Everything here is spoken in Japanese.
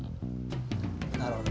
なるほど。